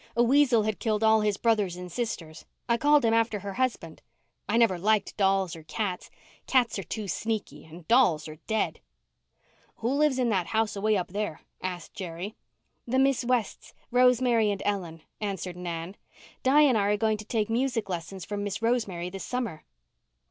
A weasel had killed all his brothers and sisters. I called him after her husband. I never liked dolls or cats. Cats are too sneaky and dolls are dead." "Who lives in that house away up there?" asked Jerry. "The Miss Wests—Rosemary and Ellen," answered Nan. "Di and I are going to take music lessons from Miss Rosemary this summer."